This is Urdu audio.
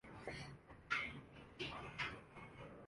بہت سے لوگ محض اپنا وطن اپنی جان سے پیا را